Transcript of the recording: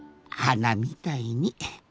はなみたいに。